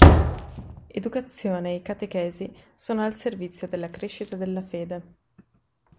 Educazione e catechesi sono al servizio della crescita nella fede.